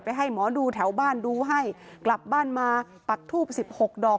ให้หมอดูแถวบ้านดูให้กลับบ้านมาปักทูบ๑๖ดอก